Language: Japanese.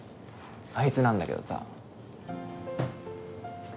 あいつなんだけどさ。